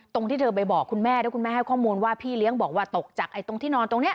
ที่เธอไปบอกคุณแม่แล้วคุณแม่ให้ข้อมูลว่าพี่เลี้ยงบอกว่าตกจากตรงที่นอนตรงนี้